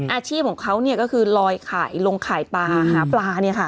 อาชีพของเขาก็คือลอยลงข่ายปลาหาปลา